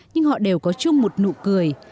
nhưng họ đều có chung một nụ cười